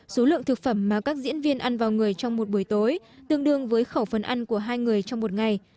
số lượng thực phẩm mà các diễn viên ăn vào người trong một buổi tối tương đương với khẩu phần ăn của hai người trong một ngày